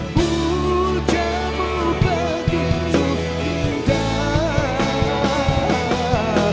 puja mu begitu indah